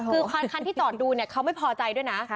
คือคันที่จอดดูเนี่ยเขาไม่พอใจด้วยนะ